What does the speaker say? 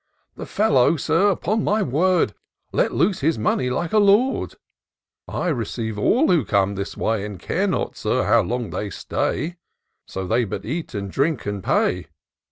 The fellow, Sir, upon my word, Let loose his money like a lord : I receive all who come this way. And care not. Sir, how long they stay, So they but eat and drink — and pay.